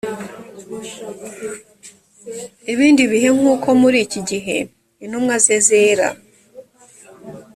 ibindi bihe nk’uko muri iki gihe intumwa ze zera